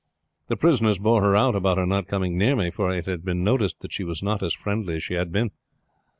The prisoners bore her out about her not coming near me, for it had been noticed that she was not as friendly as she had been.